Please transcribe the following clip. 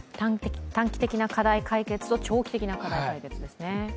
短期的な課題解決と長期的な課題解決ですね。